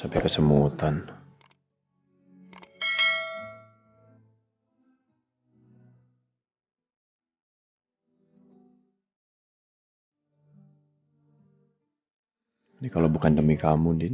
habis beberapa rose aku akan saling kehabisan di tempat link penerbitan bourem dan lloyd